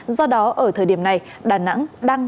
do đó ở thời điểm này đà nẵng đang